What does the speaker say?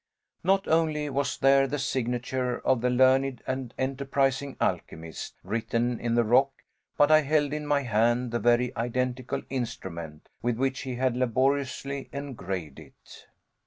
Not only was there the signature of the learned and enterprising alchemist written in the rock, but I held in my hand the very identical instrument with which he had laboriously engraved it.